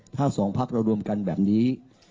ถ้า๒พักอร่วมกันแบบนี้